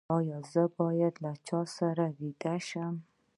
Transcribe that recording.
ایا زه باید له چا سره ویده شم؟